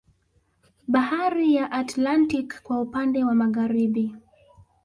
Bahari ya Atlantiki kwa upande wa Magharibi